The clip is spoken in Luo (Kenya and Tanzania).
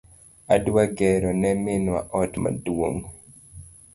Adwa gero ne minwa ot maduong